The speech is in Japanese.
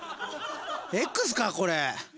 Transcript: Ｘかこれ？